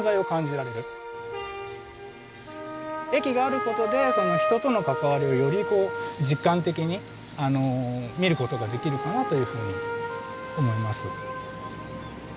駅があることで人との関わりをより実感的に見ることができるかなというふうに思います。